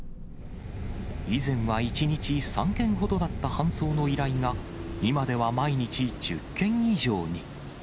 以前は１日３件ほどだった搬送の依頼が、今では毎日１０件以上に。